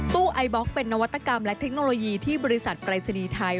ไอบล็อกเป็นนวัตกรรมและเทคโนโลยีที่บริษัทปรายศนีย์ไทย